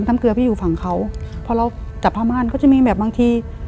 เกลือพี่อยู่ฝั่งเขาพอเราจับผ้าม่านก็จะมีแบบบางที